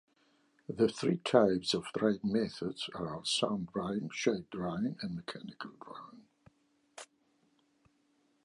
The three types of drying methods are: sun drying, shade drying, and mechanical drying.